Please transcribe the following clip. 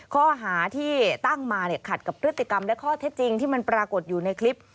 ข้อหาที่ตั้งมาขัดกับพฤติกรรมและข้อเท็จจริงที่มันปรากฏอยู่ในคลิป